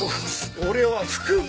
俺は福村！